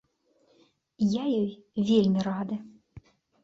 Я ёй вельмі рады.